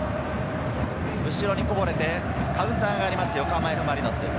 後ろにこぼれてカウンターがあります、横浜Ｆ・マリノス。